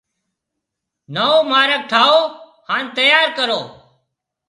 نئيون مارگ ٺاهيَو يان تيار ڪرو۔